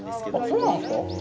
そうなんですか？